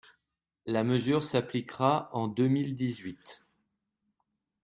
La mesure s’appliquera en deux mille dix-huit